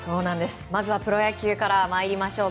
まずはプロ野球からまいりましょう。